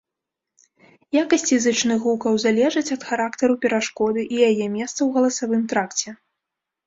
Якасці зычных гукаў залежаць ад характару перашкоды і яе месца ў галасавым тракце.